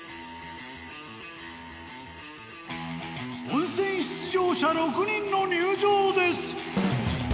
本選出場者６人の入場です！